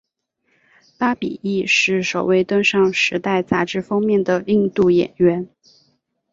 巴比亦是首位登上时代杂志封面的印度演员。